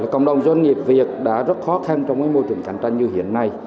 cộng đồng doanh nghiệp việt đã rất khó khăn trong môi trường cạnh tranh như hiện nay